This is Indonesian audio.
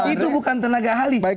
itu bukan tenaga ahli